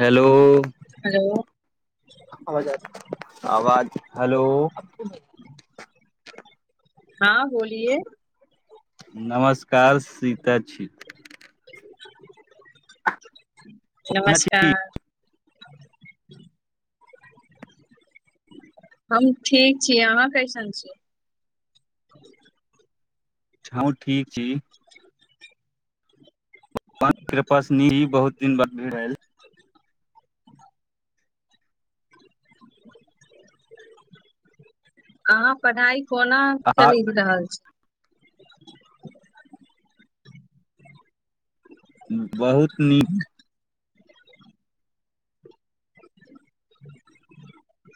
Hello. Hello. [unintelligible] आवाज हलो [unintelligible] हँ बोलिए। नमस्कार सीता छी। कोना छी नमस्कार। हम ठीक छी अहाँ कैसन छी? हमहूँ ठीक छी। कृपा सनिही [unintelligible] बहुत दिन बाद भेल। [inaudible] अहाँ पढ़ाई कोना आ चलि रहल छी? हूं बहुत नीक [inaudible]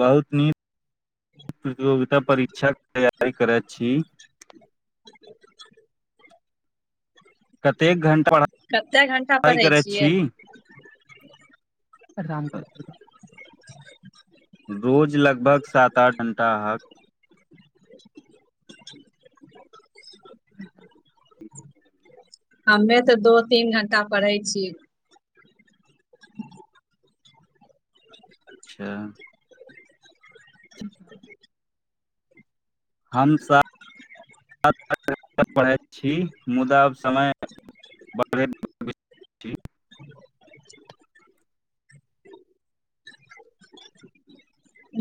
बहुत नीक प्रतियोगिता परीक्षाके तैयारी करत छी। [inaudible] कतेक घंटा कत्ते घंटा पढ़ाइ पढ़ै करैत छियै? छी [unintelligible] रोज लगभग सात-आठ घंटा ह [inaudible] हमे तऽ दो-तीन घण्टा पढ़ै छी। अच्छा। हम सा [unintelligible] पढ़ैत छी मुदा समय बढ़ [unintelligible]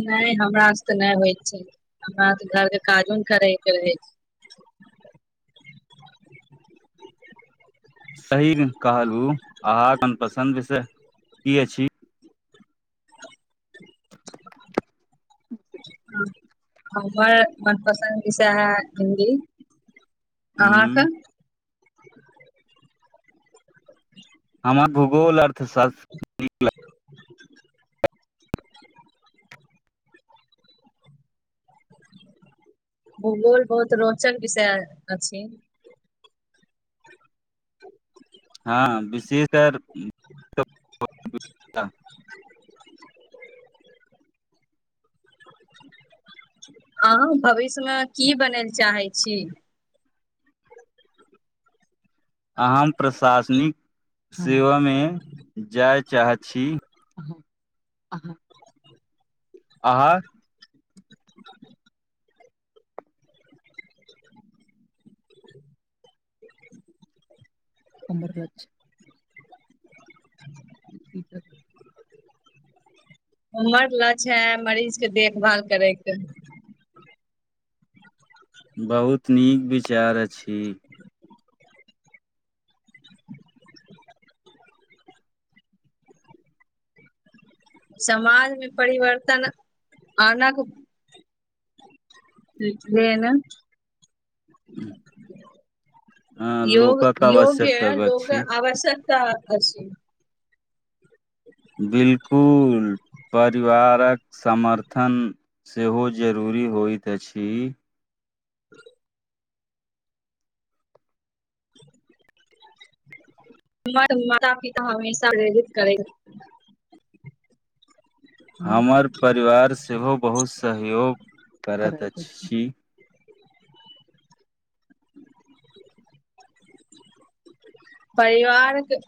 नैय हमरा सके नैय होइ छै हमरा तऽ घरके काजो न करय के रहै छै। सही कहलू अहाँक मनपसन्द विषय की अछि? [unintelligible] हमर मन पसन्द विषय है हिन्दी। अहाँकऽ? हूँ [inaudible] हमर भूगोल अर्थशस् [inaudible] भूगोल बहुत रोचक विषय अछि। हँ विशेषकर [inaudible] आहाँ भविष्यमे की बनेल चाहै छी? आ हम। प्रशासनिक सेवामे जाय चाहैत छी। आहाँ। आहाँ हमर लक्ष्य ठीक अइ। हमर लक्ष्य हे मरीजके देखभाल करैके। बहुत नीक विचार अछि। समाज मे परिवर्तन आनक- रित्वेन। हँ योग लोकक आवश्यकता योग्य लोक अछि आवश्यक। तात अछि। बिल्कुल परिवारक समर्थन। सेहो जरूरी होइत अछि। हमर माता पिता हमेशा प्रेरित करेै। हमर परिवार सेहो बहुत सहयोग करत अछि। परिवार के-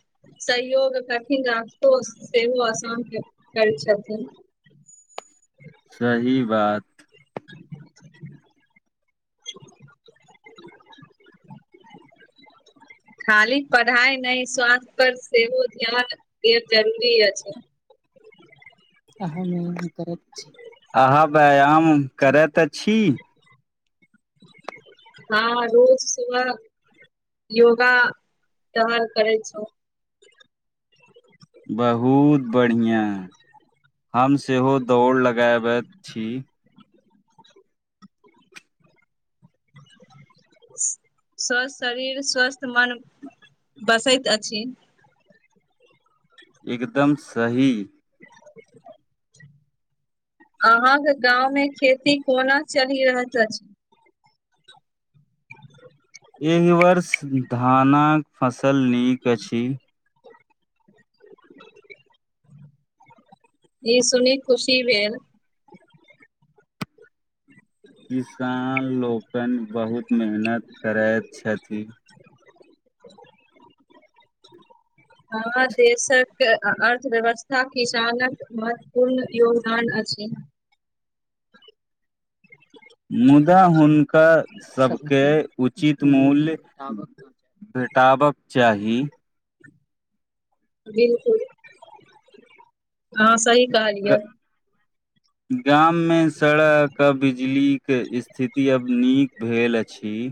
सहयोग कठिन आ ठोस सेहो असान करै छथिन। सही बात। खाली पढ़ाइ नहि स्वास्थ्य पर सेहो ध्यान देएब जरूरी अछि। आहाँ व्यायाम करैत अछि आहाँ व्यायाम करैत अछी। हँ रोज सुबह। योगा टहन करै छो। बहुत बढ़ियाँ हम सेहो दौड़ लगाबैत छी। स्वस्थ शरीर स्वस्थ मन बसैत अछि। एकदम सही। आहाँके गाँंव में खेती कोना चलि रहत अछि। एहि वर्ष धानक फसल नीक अछि। ई सुनी खुशी भेल। किसान लोकैन बहुत मेहनत करैत छथि। हँ देशक अर्थव्यवस्था किसानक मध- पूर्ण योगदान अछि। मुदा हुनका सबके उचित मूल्य- भेटाबक चाही। बिल्कुल आहाँ सही कहलियै। गाम मे सड़क बिजली के स्थिति अब नीक भेल अछि।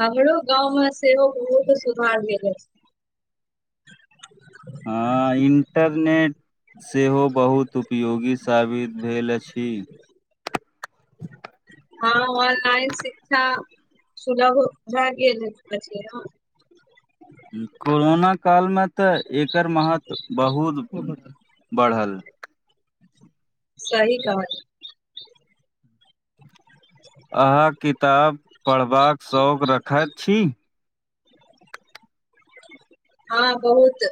हमरो गाँव मे सेहो बहुत सुधार भेल अछि। हँ इंन्टरनेट सेहो बहुत उपयोगी साबित भेल अछि। हँ ऑनलाइन शिक्षा सुलभ भए गेल अछि, नऽ कोरोना काल मे तऽ, एकर महत्व बहुत बढ़ल। सही कहल आहाँ किताब पड़बाक शौक रखैत छी। हँ बहुत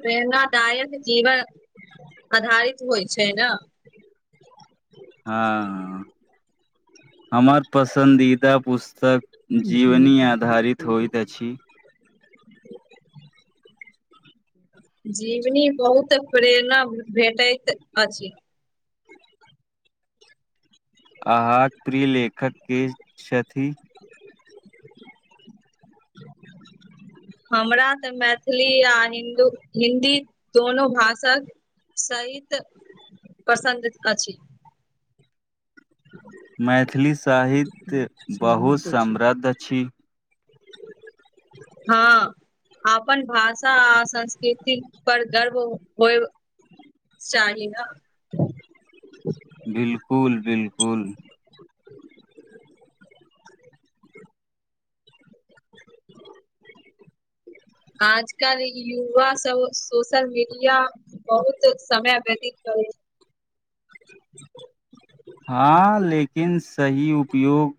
प्रेरणादायक जीवन पधारित होय छैय, न हँ हमर पसंन्दीदा पुस्तक जीवनी आधारित होइत अछि। जीवनी बहुत प्रेरणा भेटैत अछि। आहाँक प्रिय लेखक के छथि। [inaudible] हमरा तऽ, मैथिली आ हिन्दू हिन्दी दुनो भाषक सहित पसंन्द अछि। [unintelligible] मैथिली साहित्य बहुत समद्ध छी। हँ अपन भाषा आ संस्कृती पर गर्व होय, चाही न बिल्कुल -बिल्कुल आजकल युवा सब सोशल मीडिया बहुत समय व्यतीत करै [inaudible] हँ लेकिन सही उपयोग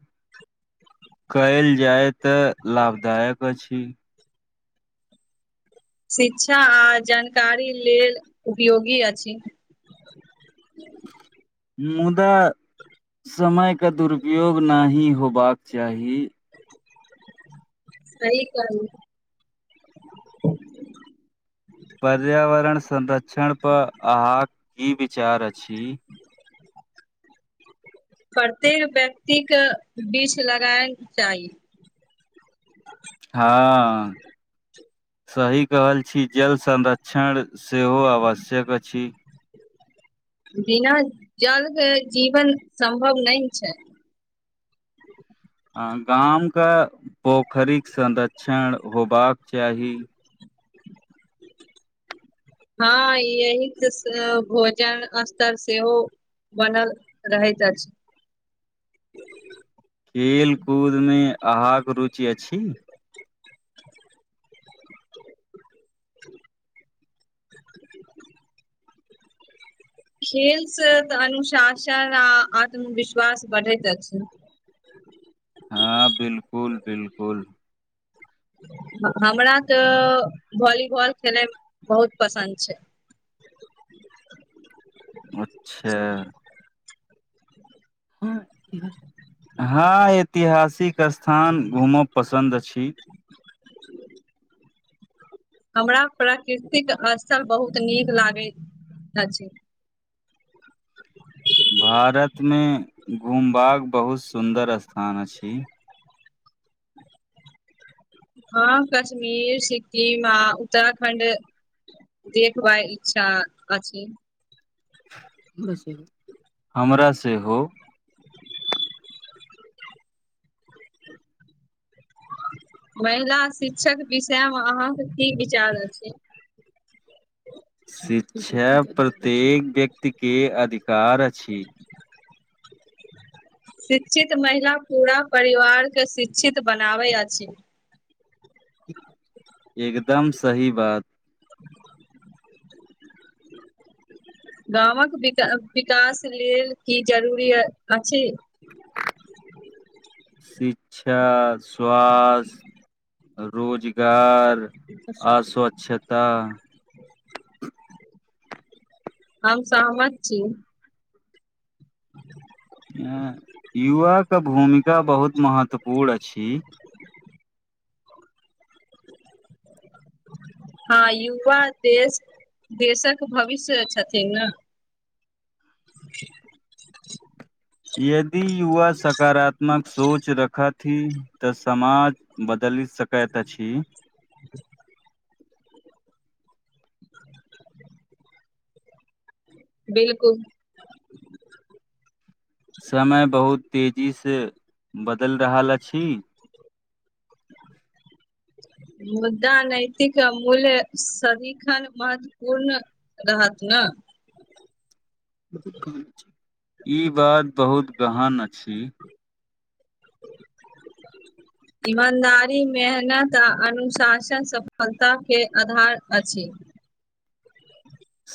कइल जायतऽ लाभदायक अछि। शिक्षा आ जानकारी लेल उपयोगी अछि। मुदा समय के दुरुपयोग नाहि होबाक चाही। सही कहलू पर्यावरण संरक्षण पर आहाँक की विचार अछि। प्रत्येक व्यक्ति के बीच लगायल चाही हँ सही कह छी, जल संरच क्षण सेहो आवश्यक अछि। बिना जलके जीवन संम्भव नै, छैय। आ गाम के पोखरिक संरक्षण होबाक चाही। हँ यही त सँ भोजन स्तर सेहो बन रहैत अछि। खेलकूद मे आहाँक, रुचि अछि। खेल सेँ अनुशासन आ आत्मविश्वास बढ़ैत अछि। हँ बिल्कुल-बिल्कुल। हमरा त बाॅलीबॉल खेलनाइ बहुत पसन्द छै। अच्छा। हँ ऐतिहासिक स्थान घूमब पसंद छी। हमरा प्राकृतिक स्थल बहुत नीक लागैत अछी। भारत में घुमबाक बहुत सुन्दर स्थान अछी। हँ कश्मीर सिक्किम आ उत्तराखण्ड देखबा इच्छा अछी। [unintelligible] हमरा सेहो महिला शिक्षक विषयमे अहाँके की विचार अछी। शिक्षा प्रत्येक व्यक्तिके अधिकार अछी। शिक्षित महिला पूरा परिवारके शिक्षित बनाबै अछी। [unintelligible] एकदम सही बात। [inaudible] गामक विका, विकास लेल की जरूरी अ अछी। क्षा, स्वास, [inaudible] रोजगार [inaudible] आ स्वच छता हम सहमत छी। एं युवा के भूमिका बहुत महत्वपूर्ण अछी। [inaudible] हँ युवा देश, [inaudible] देशक भविष्य छथिन न। यदि युवा सकारात्मक सोच रखत थिन त समाज बदलि सकैत अछी। [inaudible] बिलकुल। समय बहुत तेजी से बदलि रहल अछी। मुदा नैतिक मूल्य सदीखन महत्वपूर्ण रहत न? [unintelligible] ई बात बहुत गहन अछी। ईमानदारी, मेहनत आ अनुशासन सफलता के आधार अछी।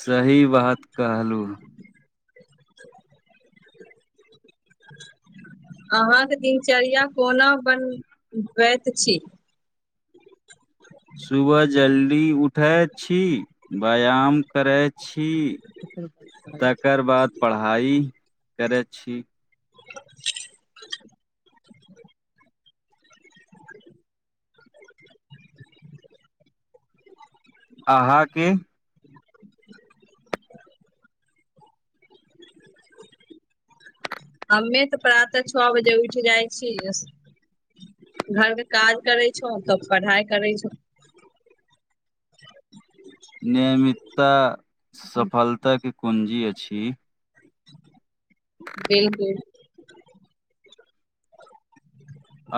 सही बात कहलूं। [inaudible] अहाँके दिनचर्या कोना बन [inaudible] बैत छी। सुबह जल्दी उठैत छी। बैयाम करैत छी। [inaudible] तकर बाद पढ़ाई करैत छी। अहाँ के? हम्मे त प्रातः छ बजे उठि जाइ छी। स् घर के काज करे छौं तब पढ़ाइ करै छौं। नियमितता सफलता के कुंजी अछि। बिलकुल।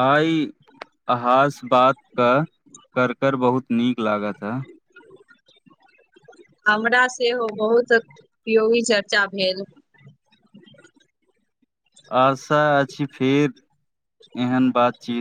आइ अहाॅंस बात क कर- कर बहुत नीक लागत ह। [inaudible] हमरा सेहो बहुत [unintelligible] उपयोगी चर्चा भेल। आशा अछि फेर एहन बातचीत